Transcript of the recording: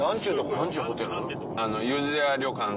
何ちゅうホテル？